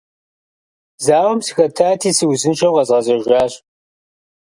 Зауэм сыхэтати, сыузыншэу къэзгъэзэжащ.